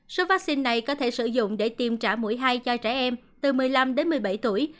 số vaccine này có thể sử dụng để tiêm trả mũi hai cho trẻ em từ một mươi năm đến một mươi bảy tuổi